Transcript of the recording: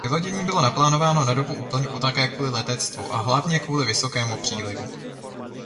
Vylodění bylo naplánováno na dobu úplňku také kvůli letectvu a hlavně kvůli vysokému přílivu.